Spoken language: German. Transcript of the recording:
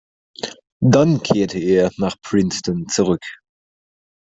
Dann kehrte er nach Princeton zurück.